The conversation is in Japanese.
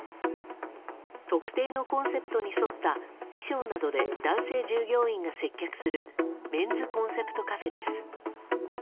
特定のコンセプトに沿った衣装などで男性従業員が接客するメンズコンセプトカフェです。